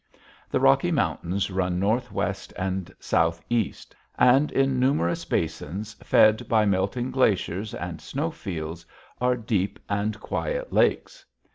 The Rocky Mountains run northwest and southeast, and in numerous basins, fed by melting glaciers and snow fields, are deep and quiet lakes.